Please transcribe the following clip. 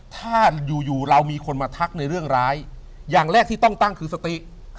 ถ้าอยู่อยู่เรามีคนมาทักในเรื่องร้ายอย่างแรกที่ต้องตั้งคือสติ